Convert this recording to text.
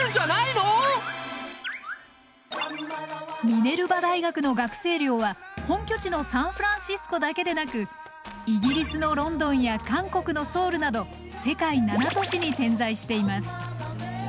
ミネルバ大学の学生寮は本拠地のサンフランシスコだけでなくイギリスのロンドンや韓国のソウルなど世界７都市に点在しています。